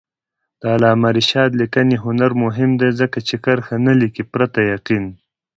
د علامه رشاد لیکنی هنر مهم دی ځکه چې کرښه نه لیکي پرته یقین.